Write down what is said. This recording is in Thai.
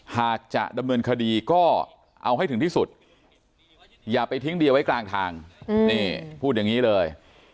หากจะดำเนินคดีก็เอาให้ถึงที่สุดอย่าไปทิ้งเดียไว้กลางทางนี่พูดอย่างนี้เลย